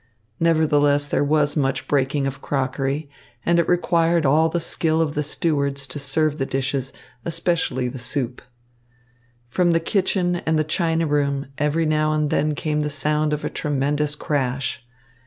Nevertheless, there was much breaking of crockery, and it required all the skill of the stewards to serve the dishes, especially the soup. From the kitchen and the china room every now and then came the sound of a tremendous crash.